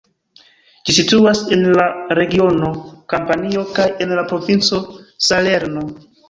Ĝi situas en la regiono Kampanio kaj en la provinco Salerno.